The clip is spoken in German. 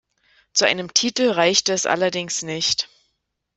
Zu einem Titel reichte es allerdings nicht.